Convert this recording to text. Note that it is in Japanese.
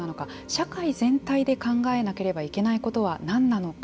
社会全体で考えなければいけないことは何なのか。